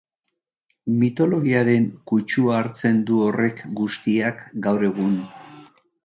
Mitologiaren kutsua hartzen du horrek guztiak gaur egun...